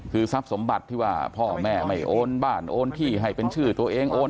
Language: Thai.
คือทรัพย์สมบัติที่ว่าพ่อแม่ไม่โอนบ้านโอนที่ให้เป็นชื่อตัวเองโอน